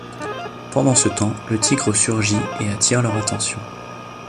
Pendant ce temps, le tigre surgit et attire leur attention.